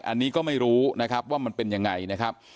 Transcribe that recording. อันนี้ก็ไม่รู้นะครับว่ามันเป็นยังไงนะครับ